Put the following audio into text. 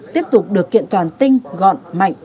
tiếp tục được kiện toàn tinh gọn mạnh